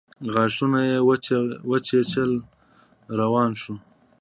غاښونه يې وچيچل روان شو.